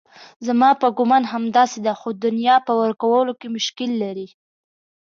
زما په ګومان همداسې ده خو دنیا په ورکولو کې مشکل لري.